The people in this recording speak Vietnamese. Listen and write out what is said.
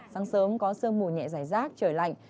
sáng sớm có sương mù nhẹ dài rác trời lạnh